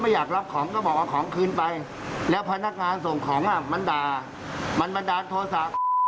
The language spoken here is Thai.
เพราะเรื่องของเรื่องคือมันเกิดจากบันดาลโทษะ